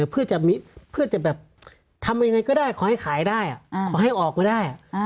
เพื่อจะแบบทำยังไงก็ได้ขอให้ขายได้ขอให้ออกมาได้